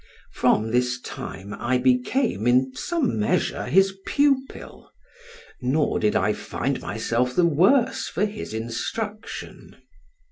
From this time I became, in some measure, his pupil, nor did I find myself the worse for his instruction.